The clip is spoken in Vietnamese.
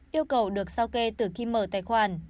yêu cầu được sao kê từ khi mở tài khoản